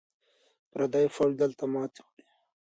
پردی پوځ دلته ماتې خوري.